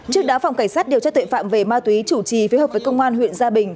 trước đá phòng cảnh sát điều tra tội phạm về ma túy chủ trì phế hợp với công an huyện gia bình